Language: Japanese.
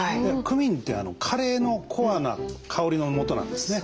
クミンってカレーのコアな香りのもとなんですね。